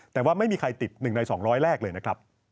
แต่ว่าไม่มีใครติด๑ใน๒๐๐แรกเลยนะครับ